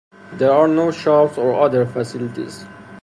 There are no shops or other facilities.